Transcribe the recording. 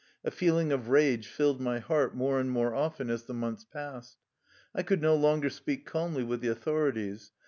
A feeling of rage filled my heart more and more often as the months passed. I could no longer speak calmly with the authori ties.